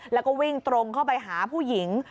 แล้วก็วิ่งตรงเข้าไปหาผู้หญิง